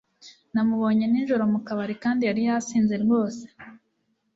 Namubonye nijoro mu kabari kandi yari yasinze rwose.